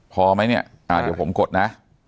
พอไหมเนี่ยเดี๋ยวผมกดนะ